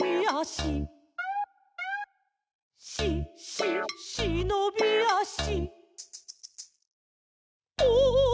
「し・し・しのびあし」